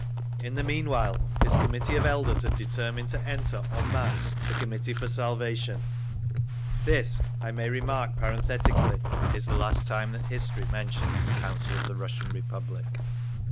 In the meanwhile, its Committee of Elders had determined to enter en masse the Committee for Salvation…. This, I may remark parenthetically, is the last time history mentions the Council of the Russian Republic….